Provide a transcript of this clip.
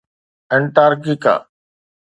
Antarctica